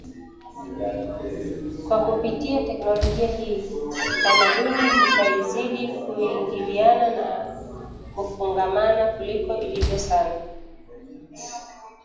Kwa kupitia teknolojia hii, tamaduni zitazidi kuingiliana na kufungamana kuliko ilivyo sana